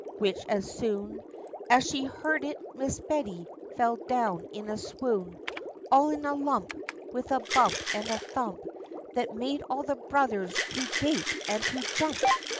which as soon As she heard it, Miss Betty fell down in a swoon All in a lump, With a bump and a thump That made all the brothers to gape and to jump.